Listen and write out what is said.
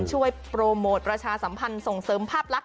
ช่วยโปรโมทประชาสัมพันธ์ส่งเสริมภาพลักษ